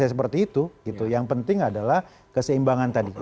jadi kalau provisi seperti itu yang penting adalah keseimbangan tadi